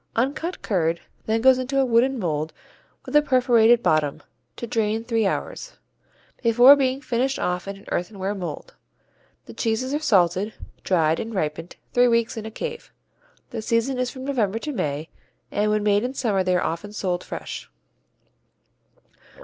Uncut curd then goes into a wooden mold with a perforated bottom, to drain three hours, before being finished off in an earthenware mold. The cheeses are salted, dried and ripened three weeks in a cave. The season is from November to May and when made in summer they are often sold fresh.